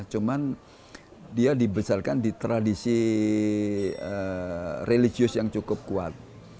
cuman dia dibesarkan di tradisi religius yang cukup kuat